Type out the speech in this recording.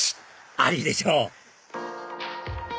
ありでしょ！